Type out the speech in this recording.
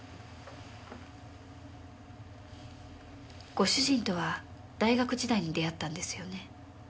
ご主人とは大学時代に出会ったんですよね？